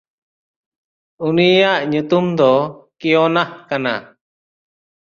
ᱩᱱᱤᱭᱟᱜ ᱧᱩᱛᱩᱢ ᱫᱚ ᱠᱮᱭᱚᱱᱟᱦ ᱠᱟᱱᱟ᱾